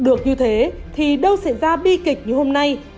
được như thế thì đâu sẽ ra bi kịch như hôm nay